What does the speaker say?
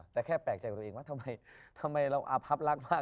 แต่แค่แปลกใจกับตัวเองว่าทำไมเราอาพับรักมาก